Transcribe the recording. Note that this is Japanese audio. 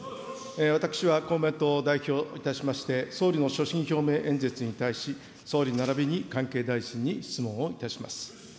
私は公明党を代表いたしまして、総理の所信表明演説に対し、総理ならびに関係大臣に質問をいたします。